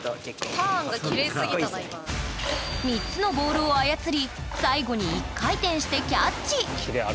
３つのボールを操り最後に１回転してキャッチ。